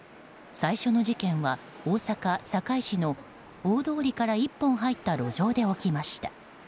最初の事件は大阪・堺市の大通りから１本入った路上で起きました。